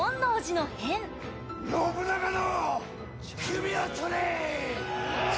信長の首を取れ！